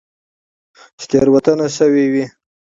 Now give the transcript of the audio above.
چې تيروتنه شوي وي